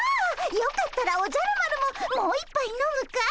よかったらおじゃる丸ももう一杯飲むかい？